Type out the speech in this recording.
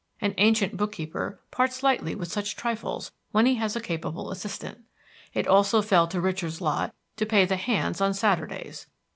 An ancient bookkeeper parts lightly with such trifles when he has a capable assistant. It also fell to Richard's lot to pay the hands on Saturdays.